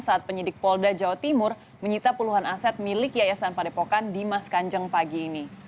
saat penyidik polda jawa timur menyita puluhan aset milik yayasan padepokan dimas kanjeng pagi ini